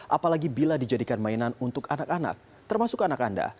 apalagi bila dijadikan mainan untuk anak anak termasuk anak anda